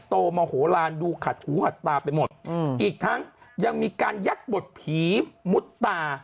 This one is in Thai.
โมโหลานดูขัดหูหัดตาไปหมดอีกทั้งยังมีการยัดบทผีมุดตา